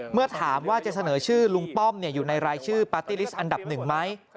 เมื่อถามว่าจะเสนอชื่อลุงป้อมอยู่ในรายชื่อปาร์ตี้ลิสต์อันดับหนึ่งไหม